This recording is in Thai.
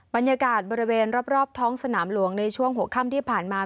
บรรยากาศบริเวณรอบท้องสนามหลวงในช่วงหัวค่ำที่ผ่านมา